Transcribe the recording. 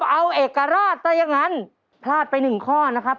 เอาเอกราชซะอย่างนั้นพลาดไปหนึ่งข้อนะครับ